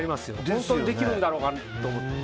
本当にできるんだろうかと思う。